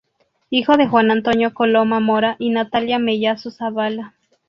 Hijo de Juan Antonio Coloma Mora y Natalia Mellado Zabala.